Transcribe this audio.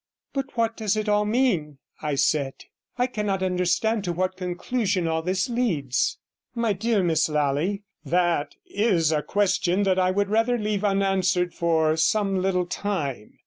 'But what does it all mean?' I said. 'I cannot understand to what conclusion all this leads.' 50 'My dear Miss Lally, that is a question that I would rather leave unanswered for some little time.